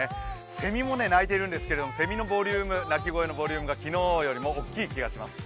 せみも鳴いているんですけど、鳴き声のボリュームが昨日よりも大きい気がします。